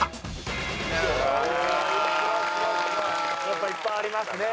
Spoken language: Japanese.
やっぱいっぱいありますね。